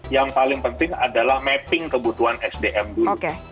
yang paling penting adalah mapping kebutuhan sdm dulu